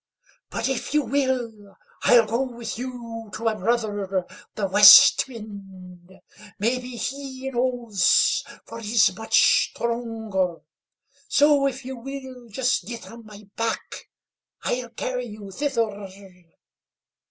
"But, if you will, I'll go with you to my brother the West Wind, maybe he knows, for he's much stronger. So, if you will just get on my back, I'll carry you thither."